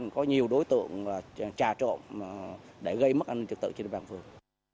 có nhiều đối tượng trà trộn để gây mất an ninh trực tự trên địa bàn phường